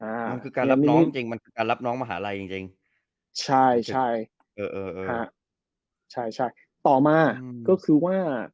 มันคือการรับน้องจริงมันคือการรับน้องมหาลัยจริง